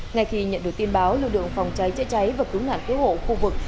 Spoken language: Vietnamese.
ngay khi nhận được tin báo lực lượng phòng cháy chữa cháy và cứu nạn cứu hộ khu vực